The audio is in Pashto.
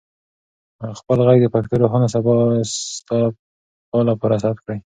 خپل ږغ د پښتو د روښانه سبا لپاره ثبت کړئ.